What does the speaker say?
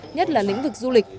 nhất là lĩnh vực du lịch